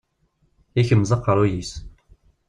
Ikemmez aqerruy-is.